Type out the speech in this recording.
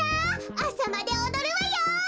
あさまでおどるわよ！